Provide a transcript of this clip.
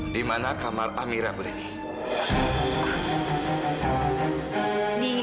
di mana kamar amira berdiri